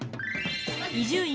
伊集院